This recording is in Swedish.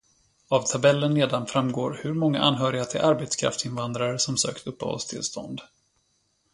Av tabellen nedan framgår hur många anhöriga till arbetskraftsinvandrare som sökt uppehållstillstånd.